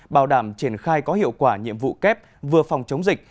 bảo đảm triển khai có hiệu quả nhiệm vụ kép vừa phòng chống dịch